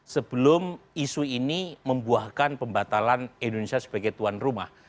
sebelum isu ini membuahkan pembatalan indonesia sebagai tuan rumah